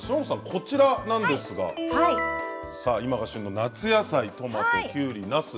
こちら、今が旬の夏野菜トマト、きゅうり、なす